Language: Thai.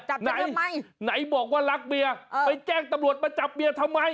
ไหนทำไมไหนบอกว่ารักเมียไปแจ้งตำรวจมาจับเมียทำไม